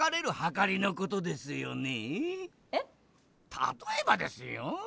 たとえばですよ